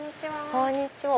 こんにちは。